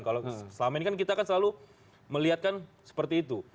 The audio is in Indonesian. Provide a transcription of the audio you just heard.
kalau selama ini kan kita kan selalu melihatkan seperti itu